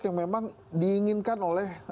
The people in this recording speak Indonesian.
yang memang diinginkan oleh